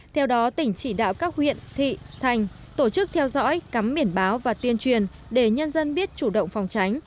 theo đó tỉnh chỉ đạo các huyện thị thành tổ chức theo dõi cắm biển báo và tuyên truyền để nhân dân biết chủ động phòng tránh